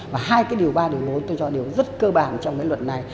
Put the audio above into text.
và hai cái điều ba điều mối tôi cho là điều rất cơ bản trong cái luật này